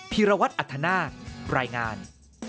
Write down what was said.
พิระวัติอัฒนาปรายงาน